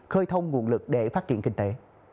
khơi thông nguồn lực để phát triển kinh tế